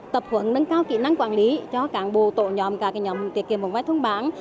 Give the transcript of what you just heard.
tập huấn nâng cao kỹ năng quản lý cho cảng bộ tổ nhóm cả cái nhóm tiết kiệm bằng vai thôn bán